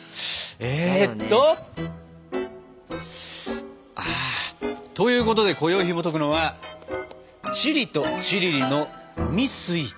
えっと。ということでこよいひもとくのは「チリとチリリ」の海スイーツ。